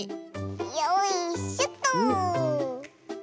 よいしょっと。